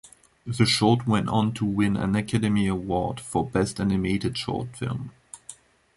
The short went on to win an Academy Award for Best Animated Short Film.